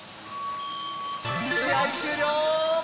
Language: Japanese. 試合終了！